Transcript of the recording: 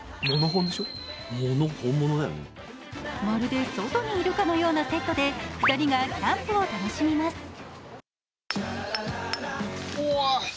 まるで外にいるかのようなセットで２人がキャンプを楽しみます。